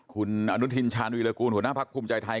คุณอนุทินชาญวิรากูลหัวหน้าพักภูมิใจไทย